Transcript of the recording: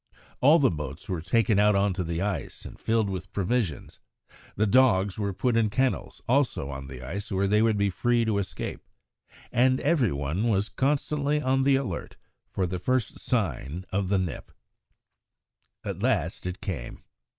All the boats were taken out on to the ice and filled with provisions; the dogs were put in kennels also on the ice where they would be free to escape, and every one was constantly on the alert for the first sign of the "nip." At last it came.